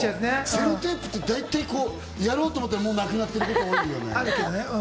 セロテープって大体やろうと思ったらなくなってること多いよね。